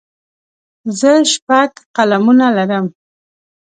زه شپږ قلمونه لرم.